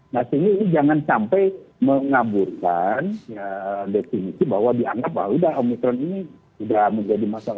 nah ini jangan sampai mengaburkan definisi bahwa dianggap omisron ini sudah menjadi masalah